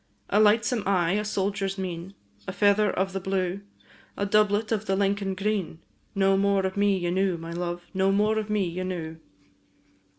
A lightsome eye, a soldier's mien, A feather of the blue, A doublet of the Lincoln green, No more of me ye knew, my love! No more of me ye knew.